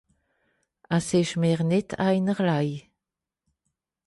Es ìsch mìr nìtt einerlei.